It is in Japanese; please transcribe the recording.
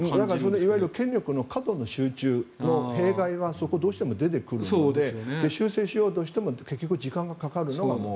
いわゆる権力の過度の集中の弊害は出てくるので修正しようとしても時間がかかると。